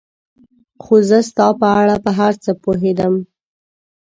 خو زه ستا په اړه په هر څه پوهېدم.